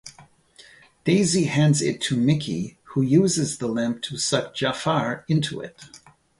Daisy hands it to Mickey who uses the lamp to suck Jafar into it.